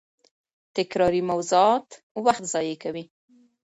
تکراري موضوعات وخت ضایع کوي.